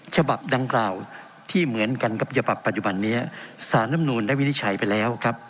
ฉบับดังกล่าวที่เหมือนกันกับฉบับปัจจุบันนี้สารน้ำนูลได้วินิจฉัยไปแล้วครับ